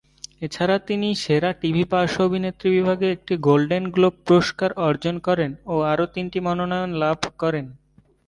এছাড়া তিনি সেরা টিভি পার্শ্ব অভিনেত্রী বিভাগে একটি গোল্ডেন গ্লোব পুরস্কার অর্জন করেন ও আরও তিনটি মনোনয়ন লাভ করেন।